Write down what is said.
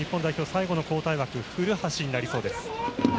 最後の交代枠古橋になりそうです。